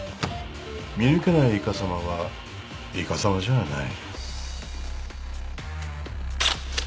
見抜けないいかさまはいかさまじゃない。